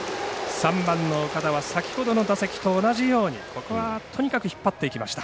３番の岡田は先ほどの打席と同じようにここは、とにかく引っ張っていきました。